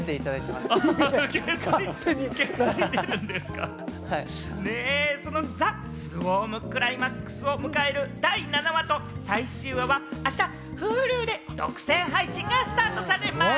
『ＴＨＥＳＷＡＲＭ／ザ・スウォーム』、クライマックスを迎える第７話と最終話は明日、Ｈｕｌｕで独占配信がスタートされます。